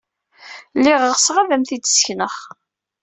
Lliɣ ɣseɣ ad am-t-id-ssekneɣ.